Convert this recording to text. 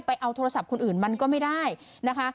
ไปเอาโทรศัพท์คนอื่นมันก็ไม่ได้นะคะ